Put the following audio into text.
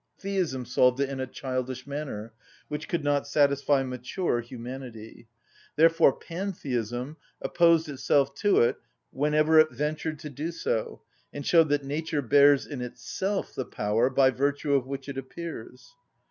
Theism solved it in a childish manner, which could not satisfy mature humanity. Therefore pantheism opposed itself to it whenever it ventured to do so, and showed that nature bears in itself the power by virtue of which it appears.